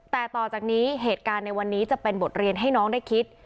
แต่ต่อจากนี้เหตุการณ์ในวันนี้จะเป็นบทเรียนให้น้องได้คิด